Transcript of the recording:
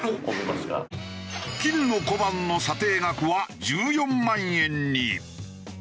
金の小判の査定額は１４万円に。